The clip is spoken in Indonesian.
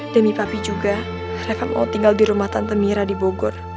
demi papi juga mereka mau tinggal di rumah tante mira di bogor